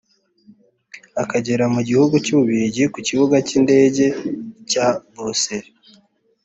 Akigera mu gihugu cy'u Bubiligi ku kibuga cy'indege cya Brussels